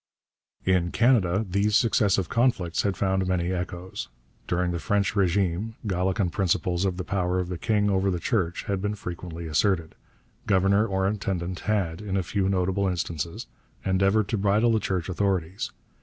In Canada these successive conflicts had found many echoes. During the French régime Gallican principles of the power of the king over the Church had been frequently asserted; governor or intendant had, in a few notable instances, endeavoured to bridle the Church authorities.